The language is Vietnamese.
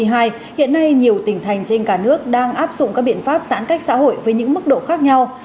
hiện nay nhiều tỉnh thành trên cả nước đang áp dụng các biện pháp giãn cách xã hội với những mức độ khác nhau